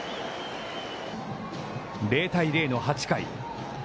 ０対０の８回。